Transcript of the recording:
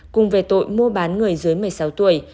cùng về tội mua bán người dưới một mươi sáu tuổi